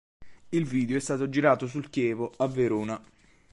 Il video è stato girato sul Chievo, a Verona.